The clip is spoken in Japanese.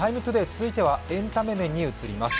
「ＴＩＭＥ，ＴＯＤＡＹ」続いてはエンタメ面に移ります。